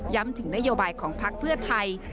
ถึงนโยบายของพักเพื่อไทย